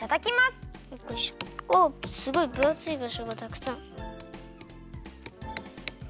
すごいぶあついばしょがたくさん。